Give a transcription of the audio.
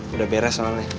udah beres malam ini